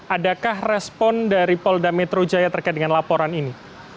adakah respon dari polres metro jakarta selatan terkait dengan laporan ini